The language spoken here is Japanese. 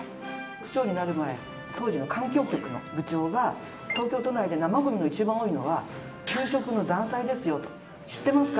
区長になる前、当時の環境局の部長が、東京都内で生ごみが一番多いのは、給食の残菜ですよ、知ってますか？